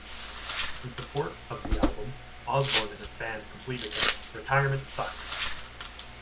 In support of the album, Osbourne and his band completed the Retirement Sucks!